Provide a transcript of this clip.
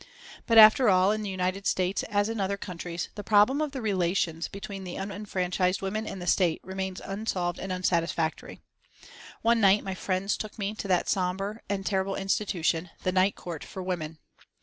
But, after all, in the United States as in other countries, the problem of the relations between unfranchised women and the State remains unsolved and unsatisfactory. One night my friends took me to that sombre and terrible institution, the Night Court for Women.